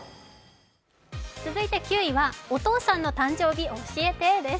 続いて９位はお父さんの誕生日教えて！です。